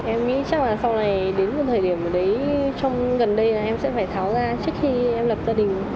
em nghĩ chắc là sau này đến một thời điểm đấy trong gần đây là em sẽ phải tháo ra trước khi em lập gia đình